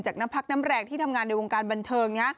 จากนักภักดิ์น้ำแรงที่ทำงานในวงการบันเทิง